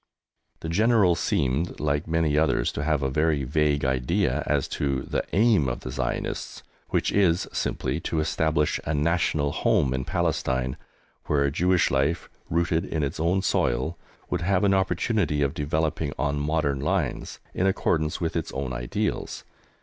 The General seemed, like many others, to have a very vague idea as to the aim of the Zionists, which is simply to establish a National Home in Palestine where Jewish life, rooted in its own soil, would have an opportunity of developing on modern lines, in accordance with its own ideals.